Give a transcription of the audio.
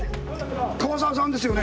樺澤さんですよね？